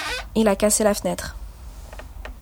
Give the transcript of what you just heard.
Il a cassé la fenêtre.